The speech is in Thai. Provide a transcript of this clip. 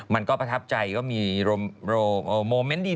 มันก็ประทับใจก็มีโมเมนต์ดี